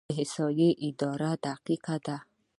د احصایې اداره دقیقه ده؟